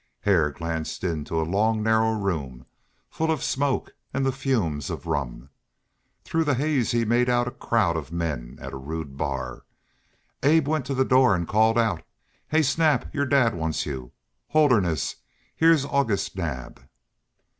Hare glanced into a long narrow room full of smoke and the fumes of rum. Through the haze he made out a crowd of men at a rude bar. Abe went to the door and called out: "Hey, Snap, your dad wants you. Holderness, here's August Naab."